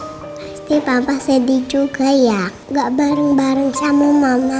pasti papa sedih juga ya gak bareng bareng sama mama